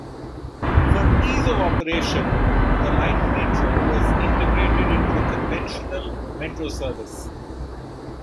For ease of operation, the Light Metro was integrated into the conventional Metro service.